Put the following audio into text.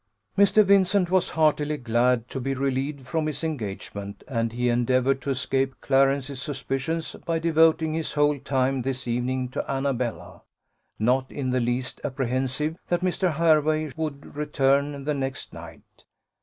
Mr. Vincent was heartily glad to be relieved from his engagement, and he endeavoured to escape Clarence's suspicions, by devoting his whole time this evening to Annabella, not in the least apprehensive that Mr. Hervey would return the next night.